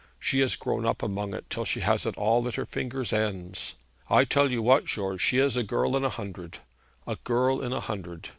She has grown up among it till she has it all at her fingers' ends. I tell you what, George, she is a girl in a hundred, a girl in a hundred.